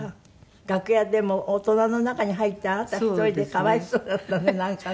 楽屋でも大人の中に入ってあなた１人でかわいそうだったねなんかね。